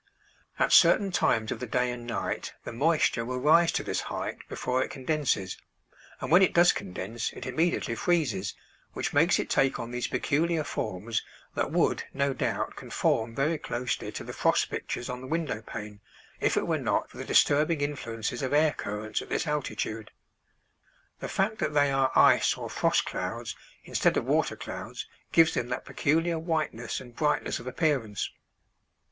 At certain times of the day and night the moisture will rise to this height before it condenses and when it does condense it immediately freezes, which makes it take on these peculiar forms that would no doubt conform very closely to the frost pictures on the window pane if it were not for the disturbing influences of air currents at this altitude. The fact that they are ice or frost clouds instead of water clouds gives them that peculiar whiteness and brightness of appearance.